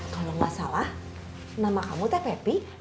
kalo gak salah nama kamu teh pepi